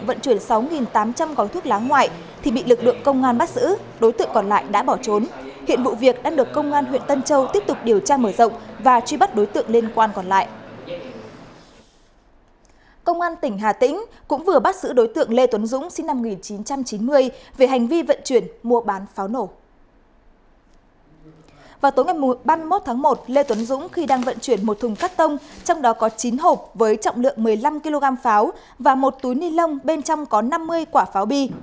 vào tối ngày ba mươi một tháng một lê tuấn dũng khi đang vận chuyển một thùng cắt tông trong đó có chín hộp với trọng lượng một mươi năm kg pháo và một túi nilon bên trong có năm mươi quả pháo bi